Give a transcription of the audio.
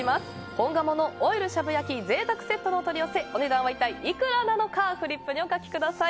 本鴨のオイルしゃぶ焼き贅沢セットのお取り寄せお値段は一体いくらなのかフリップにお書きください。